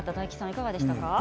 いかがでしたか。